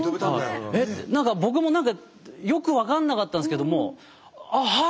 えっ何か僕も何かよく分かんなかったんですけどもはあ